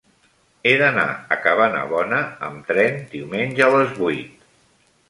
He d'anar a Cabanabona amb tren diumenge a les vuit.